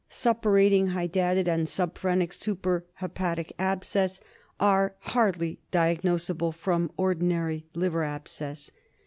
Suppurating hydatid, and subphrenic superhepatic abscess are hardly, diagnosable from ordinary liver abscess.